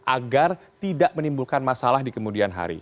agar tidak menimbulkan masalah di kemudian hari